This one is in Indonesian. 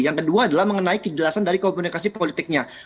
yang kedua adalah mengenai kejelasan dari komunikasi politiknya